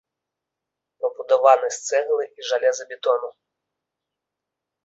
Пабудаваны з цэглы і жалезабетону.